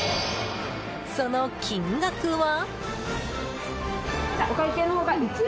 その金額は？